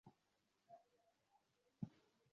আমি আমার সোনালী ঘড়িটা খুঁজছিলাম।